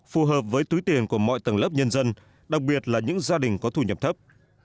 phù hợp với túi tiền của mọi tầng lớp nhân dân đặc biệt là những gia đình có thu nhập thấp